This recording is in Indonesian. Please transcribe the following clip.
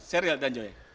serial dan joy